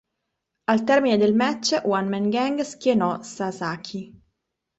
Al termine del match, One Man Gang schienò Sasaki.